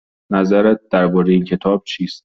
نظرت درباره این کتاب چیست؟